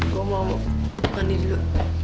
gue mau mandi dulu